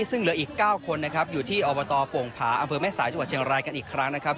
ซึ่งเหลืออีก๙คนนะครับอยู่ที่อบตโป่งผาอำเภอแม่สายจังหวัดเชียงรายกันอีกครั้งนะครับ